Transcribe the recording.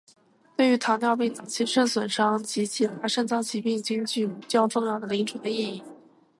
对于糖尿病早期肾损伤及其他肾脏疾病均具有较重要的临床意义。